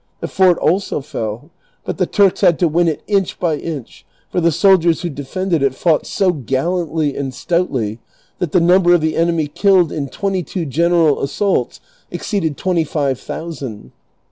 The fort also fell ; but the Turks had to win it inch by inch, for the soldiers who defended it fought so gallantly and stoutly that the number of the enemy killed in twenty two genei'al assaults exceeded twenty five thousand.